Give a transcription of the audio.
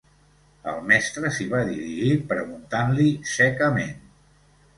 El mestre s'hi va dirigir preguntant-li secament